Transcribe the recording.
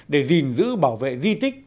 để gìn giữ bảo vệ di tích